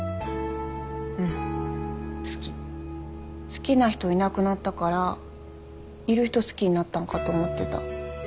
好きな人いなくなったからいる人好きになったのかと思ってた。